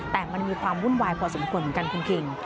แต่มันมีความวุ่นวายพอสมควรเหมือนกันคุณคิง